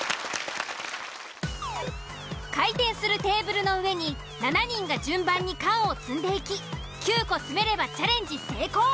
回転するテーブルの上に７人が順番に缶を積んでいき９個積めればチャレンジ成功。